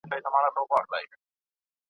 خلک هر څه کوي خو هر څه نه وايي